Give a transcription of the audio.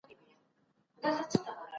ایا دولت د دې فابریکو ملاتړ کاوه؟